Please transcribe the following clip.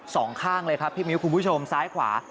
สองข้างเลยครับพี่มิ้วคุณผู้ชมซ้ายขวา